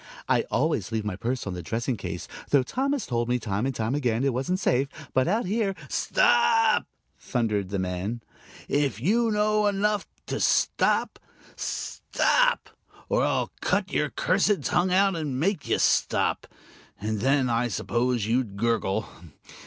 "I always leave my purse on the dressing case, though Tom has told me, time and again, it wasn't safe. But out here " "Stop!" thundered the man. "If you know enough to stop. Stop! or I'll cut your cursed tongue out and make you stop. And then, I suppose, you'd gurgle.